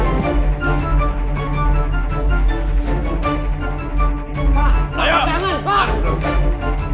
pak pak jangan pak